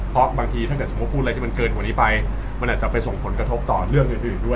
เพราะบางทีถ้าสมมุติพูดอะไรเกินหัวนี้ไปมันอาจจะไปส่งผลกระทบต่อเรื่องที่อีกด้วย